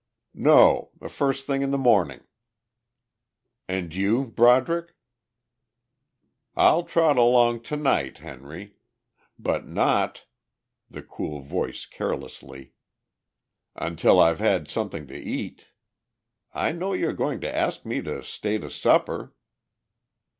"No. The first thing in the morning." "And you, Broderick?" "I'll trot along tonight, Henry. But not," the cool voice carelessly, "until I've had something to eat. I know you're going to ask me to stay to supper!"